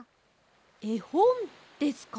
えほんですか？